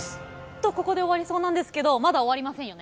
とここで終わりそうなんですけどまだ終わりませんよね。